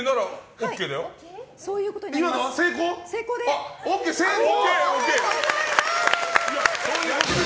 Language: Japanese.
ＯＫ、成功！